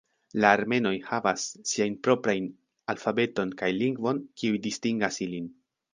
La armenoj havas siajn proprajn alfabeton kaj lingvon kiuj distingas ilin.